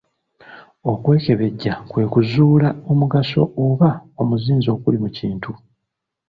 Okwekebejja kwe kuzuula omugaso oba omuzinzi oguli mu kintu.